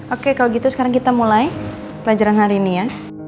oke kalau gitu sekarang kita mulai pelajaran hari ini ya